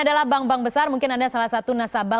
adalah bank bank besar mungkin anda salah satu nasabah